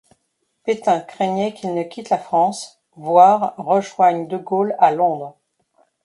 Pétain craignait qu'il ne quitte la France, voire rejoigne de Gaulle à Londres.